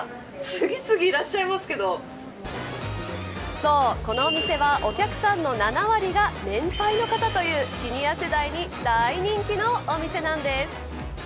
そう、このお店はお客さんの７割が年配の方というシニア世代に大人気のお店なんです。